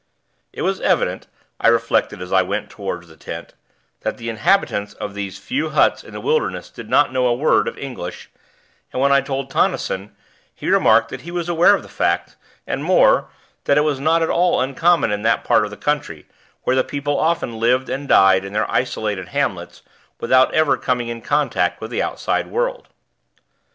It was evident, I reflected as I went toward the tent, that the inhabitants of these few huts in the wilderness did not know a word of English; and when I told Tonnison, he remarked that he was aware of the fact, and, more, that it was not at all uncommon in that part of the country, where the people often lived and died in their isolated hamlets without ever coming in contact with the outside world.